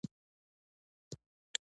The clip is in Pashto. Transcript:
دا لیندیو د اړتیا له مخې پرانیستل کېږي.